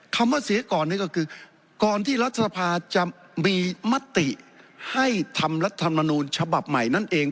คำว่าเสียก่อนนี่ก็คือก่อนที่รัฐสภาจะมีมติให้ทำรัฐมนูลฉบับใหม่นั่นเอง